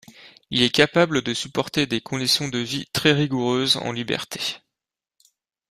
Il est capable de supporter des conditions de vie très rigoureuse en liberté.